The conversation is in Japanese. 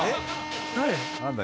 誰？